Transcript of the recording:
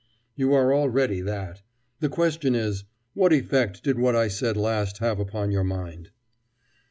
"You are already that. The question is, what effect did what I last said have upon your mind?"